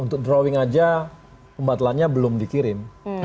untuk drawing aja pembatalannya belum dikirim